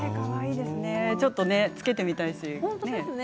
ちょっとつけてみたいですね。